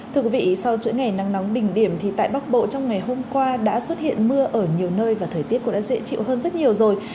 thưa quý vị sau chuỗi ngày nắng nóng đỉnh điểm thì tại bắc bộ trong ngày hôm qua đã xuất hiện mưa ở nhiều nơi và thời tiết cũng đã dễ chịu hơn rất nhiều rồi